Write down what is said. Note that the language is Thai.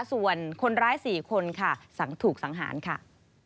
ส่วนคนร้าย๔คนค่ะถูกสังหารค่ะ